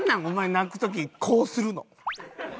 お前泣く時こうするの。